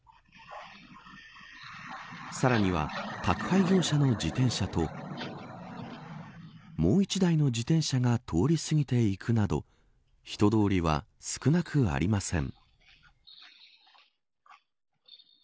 さらには宅配業者の自転車ともう１台の自転車が通り過ぎていくなど人通りは少なくありません。